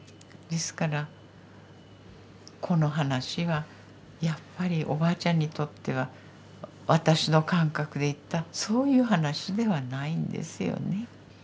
ですからこの話はやっぱりおばあちゃんにとっては私の感覚で言ったそういう話ではないんですよね。